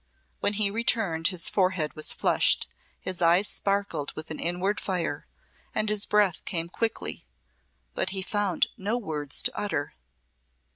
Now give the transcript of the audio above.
When he returned his forehead was flushed, his eyes sparkled with an inward fire, and his breath came quickly but he found no words to utter.